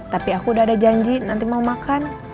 tapi aku udah ada janji nanti mau makan